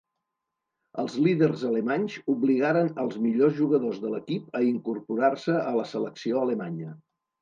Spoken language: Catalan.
Els líders alemanys obligaren als millors jugadors de l'equip a incorporar-se a la selecció alemanya.